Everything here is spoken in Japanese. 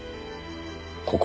ここ。